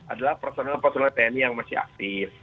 adalah personal personal tni yang masih aktif